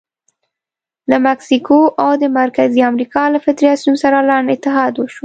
له مکسیکو او د مرکزي امریکا له فدراسیون سره لنډ اتحاد وشو.